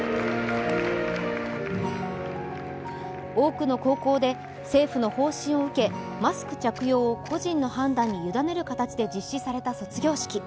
多くの高校で、政府の方針を受けマスク着用を個人の判断に委ねる形で実施された卒業式。